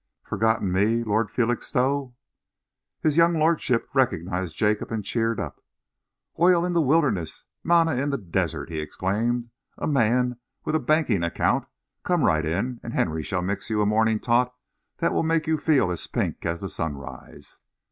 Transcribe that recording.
"Forgotten me, Lord Felixstowe?" His young lordship recognised Jacob and cheered up. "Oil in the wilderness, manna in the desert!" he exclaimed. "A man with a banking account! Come right in, and Henry shall mix you a morning tot that will make you feel as pink as the sunrise."